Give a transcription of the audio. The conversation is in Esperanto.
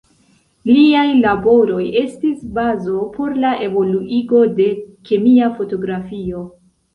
Liaj laboroj estis bazo por la evoluigo de kemia fotografio.